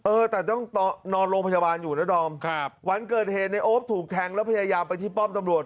เออแต่ต้องนอนโรงพยาบาลอยู่นะดอมครับวันเกิดเหตุในโอ๊ปถูกแทงแล้วพยายามไปที่ป้อมตำรวจ